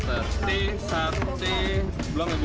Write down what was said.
t sati belum ya bu